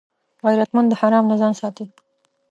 غیرتمند د حرام نه ځان ساتي